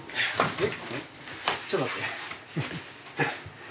えっ？